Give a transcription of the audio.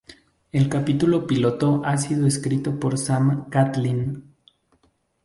El capítulo piloto ha sido escrito por Sam Catlin.